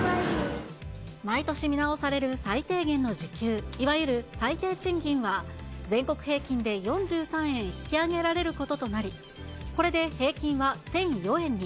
毎年見直される最低限の時給、いわゆる最低賃金は全国平均で４３円引き上げられることとなり、これで平均は１００４円に。